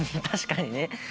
確かにね。